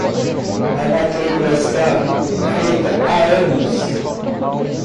A matrícula está feita há anos.